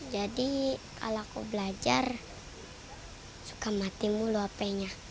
jadi kalau aku belajar suka mati mulu hapenya